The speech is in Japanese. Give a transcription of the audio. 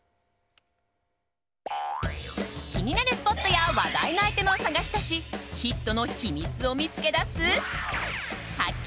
気になるスポットや話題のアイテムを探し出しヒットの秘密を見つけ出す発見！